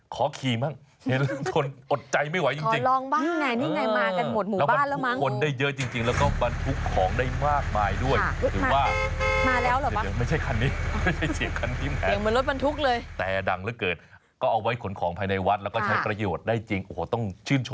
ขอขี่มั้งแหละทนอดใจไม่ไหวจริง